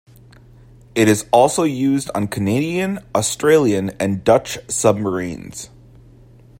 It is also used on Canadian, Australian, and Dutch submarines.